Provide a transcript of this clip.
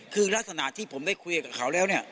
คือลักษณะที่ผมได้คุยกับเขาแล้วเนี่ย